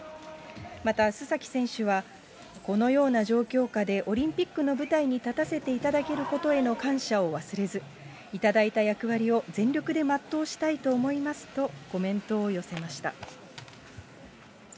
また須崎選手は、このような状況下でオリンピックの舞台に立たせていただけることへの感謝を忘れず、頂いた役割を全力で全うしたいと思いますと、コメントを寄せました。